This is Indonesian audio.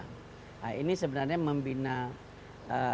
nah ini sebenarnya memiliki ya di daerah gambut dan rawah